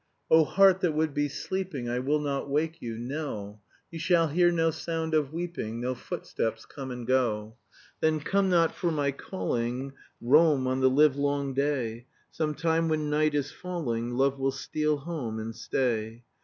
(Dim.) "Oh heart that would be sleeping, I will not wake you. No, You shall hear no sound of weeping, No footsteps come and go. "Then come not for my calling, Roam on the livelong day; Some time when night is falling, Love will steal home and stay.